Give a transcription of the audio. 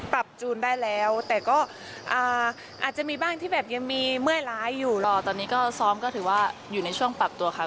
เป็นแบบสไตล์ของเราดีกว่าค่ะ